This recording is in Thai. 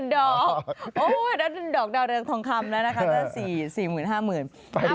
๔๐๐๐๐๕๐๐๐๐ดอกดอกดาวเรืองทองคำแล้วนะครับ